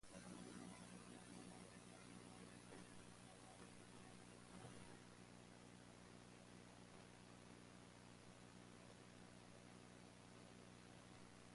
Shops include a Co-op supermarket, newsagents, and bakers, as well as Ladbrokes bookmakers.